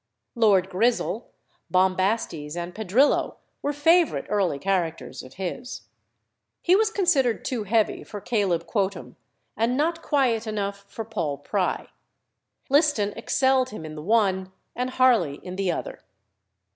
Lord Grizzle, Bombastes, and Pedrillo, were favourite early characters of his. He was considered too heavy for Caleb Quotem, and not quiet enough for Paul Pry. Liston excelled him in the one, and Harley in the other.